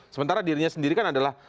sementara dirinya sendiri kan adalah